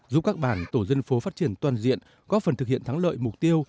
giúp các bản tổ dân phố phát triển toàn diện góp phần thực hiện thắng lợi mục tiêu